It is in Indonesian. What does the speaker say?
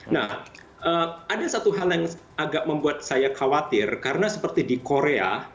nah ada satu hal yang agak membuat saya khawatir karena seperti di korea